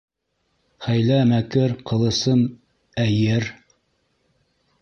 Хәйлә-мәкер Ҡылысым Ә ер